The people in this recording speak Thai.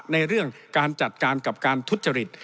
ในเรื่องการจัดการกับการทุจริต